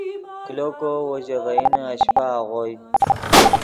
کلو کو وو ژے ڤئینے اشپہ آغوئے